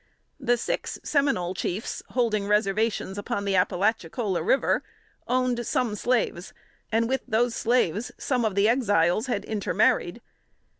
The six Seminole chiefs holding reservations upon the Appalachicola River owned some slaves, and with those slaves some of the Exiles had intermarried.